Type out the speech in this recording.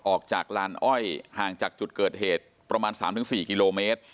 ออกจากลานอ้อยห่างจากจุดเกิดเหตุประมาณ๓๔กิโลเมตร